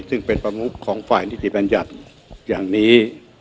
ซึ่งเป็นประมุขของฝ่ายนิติบัญญัติอย่างนี้